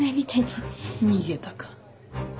逃げたか。